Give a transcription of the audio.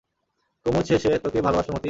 কুমুদ শেষে তোকে ভালোবাসল মতি?